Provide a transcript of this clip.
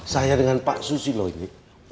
saya dengan pak susilo ini